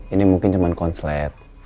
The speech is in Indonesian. ini mungkin cuman konslet